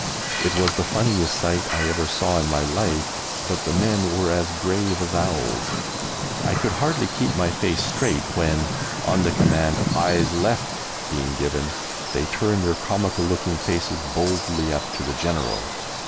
It was the funniest sight I ever saw in my life, but the men were as grave as owls. I could hardly keep my face straight when, on the command "eyes left" being given, they turned their comical looking faces boldly up to the General!